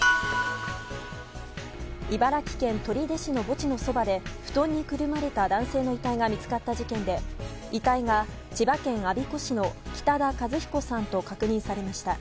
茨城県取手市の墓地のそばで布団にくるまれた男性の遺体が見つかった事件で遺体が、千葉県我孫子市の北田和彦さんと確認されました。